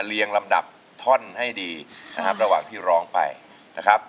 เลี่ยงลำดับท่อนให้ดีนะฮะระหว่างที่ร้องไปนะครับ